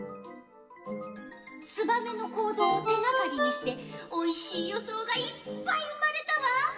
ツバメの行動を手がかりにしておいしい予想がいっぱい生まれたわ。